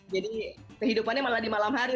jadi kehidupannya malah di malam hari nih